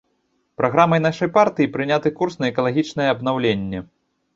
Праграмай нашай партыі прыняты курс на экалагічнае абнаўленне.